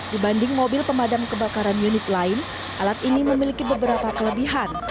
dibanding mobil pemadam kebakaran unit lain alat ini memiliki beberapa kelebihan